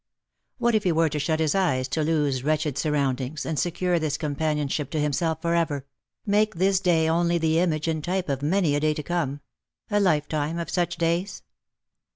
What if he were to shut his eyes to Loo's wretched surround ings and secure this companionship to himself for ever — make this day only the image and type of many a day to come — a lifetime of such days